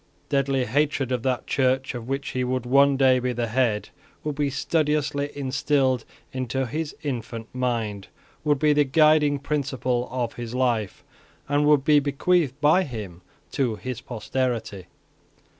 Deadly hatred of that Church of which he would one day be the head would be studiously instilled into his infant mind, would be the guiding principle of his life, and would be bequeathed by him to his posterity.